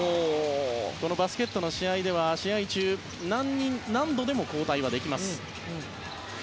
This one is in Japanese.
このバスケットの試合では試合中、何度でも交代はできます。